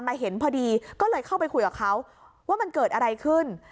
เห็นพอดีก็เลยเข้าไปคุยกับเขาว่ามันเกิดอะไรขึ้น